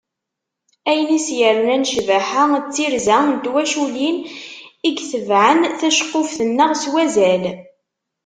Ayen i as-yernan ccbaḥa d tirza n twaculin i itebɛen taceqquft-nneɣ s wazal.